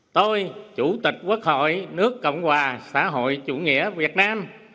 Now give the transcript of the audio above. tôi chủ tịch quốc hội nước cộng hòa xã hội chủ nghĩa việt nam